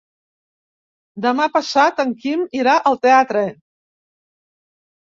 Demà passat en Quim irà al teatre.